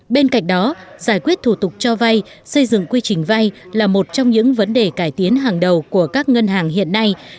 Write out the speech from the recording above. bên cạnh đó giải quyết thủ tục cho vay xây dựng quy trình vay là một trong những vấn đề cải tiến hàng đầu của các ngân hàng hiện nay